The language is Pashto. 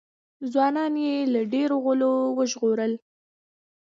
ځوانان یې له ډېرو غولو وژغورل.